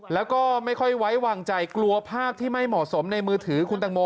แล้วก็ไม่ค่อยไว้วางใจกลัวภาพที่ไม่เหมาะสมในมือถือคุณตังโม